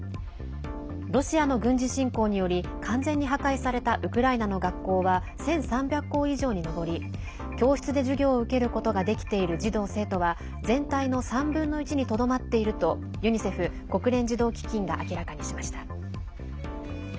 ロシアの軍事侵攻により完全に破壊されたウクライナの学校は１３００校以上に上り教室で授業を受けることができている児童生徒は全体の３分の１にとどまっているとユニセフ＝国連児童基金が明らかにしました。